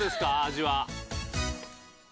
味は。